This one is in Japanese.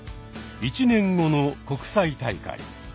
１年後の国際大会。